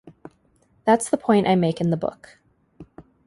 That's the point I make in the book.